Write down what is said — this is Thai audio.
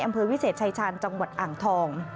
อำเภอวิเศษชายชาญจังหวัดอ่างทอง